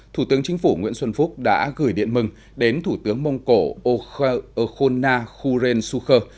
thủ tướng chính phủ nguyễn xuân phúc đã gửi điện mừng đến thủ tướng mông cổ okhona khuren suker